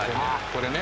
これね。